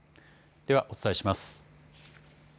ではお伝えします。